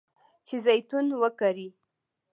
چې زیتون وکري.